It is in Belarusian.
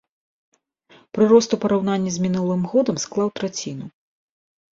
Прырост у параўнанні з мінулым годам склаў траціну.